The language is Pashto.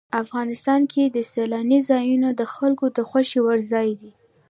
افغانستان کې سیلانی ځایونه د خلکو د خوښې وړ ځای دی.